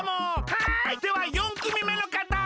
はいでは４くみめのかたどうぞ！